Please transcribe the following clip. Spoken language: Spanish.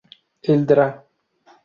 El Dra.